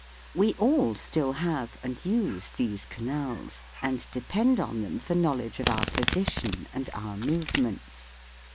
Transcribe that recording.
We all still have and use these canals, and depend on them for knowledge of our position and our movements.